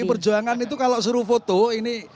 kalau pd perjuangan itu kalau suruh foto ini